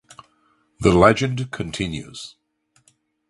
The Legend Continues!